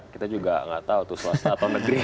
kita juga gak tau tuh swasta atau negeri